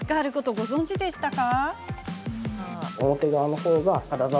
ご存じでしたか？